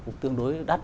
cũng tương đối đắt